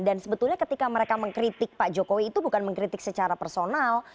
dan sebetulnya ketika mereka mengkritik pak jokowi itu bukan mengkritik secara personal